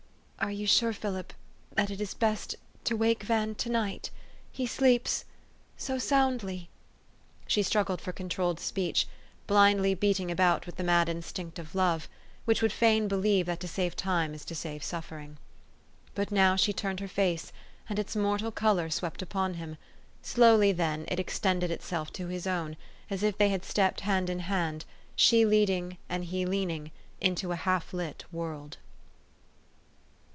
" Are you sure, Philip, that it is best to wake Van to night? He sleeps so soundly " She strug gled for controlled speech, blindly beating about with the mad instinct of love, which would fain believe that to save time is to save suffering. But now she turned her face, and its mortal color swept upon him. Slowly, then, it extended itself to his own, as if they had stepped hand in hand she leading and he leaning into a half lit world.